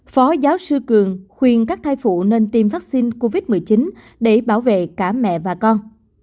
phó giáo sư cường khuyên các thai phụ nên tiêm vaccine covid một mươi chín để bảo vệ cả mẹ và con